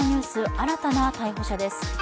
新たな逮捕者です。